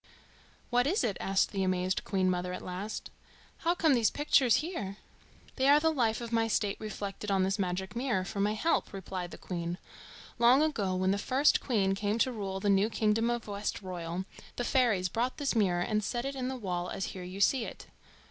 "What is it?" asked the amazed Queen mother at last. "How come these pictures here?" "They are the life of my state reflected on this magic mirror for my help," replied the Queen. "Long ago, when the first queen came to rule the new kingdom of Westroyal, the fairies brought this mirror and set it in the wall as here you see it.